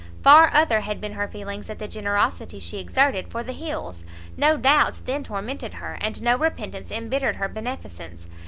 Far other had been her feelings at the generosity she exerted for the Hills; no doubts then tormented her, and no repentance embittered her beneficence.